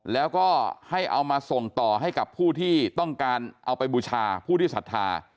แล้วก็ให้เอามาส่งต่อให้กับผู้ที่ต้องการเอาไปบูชาผู้ที่ศรัทธา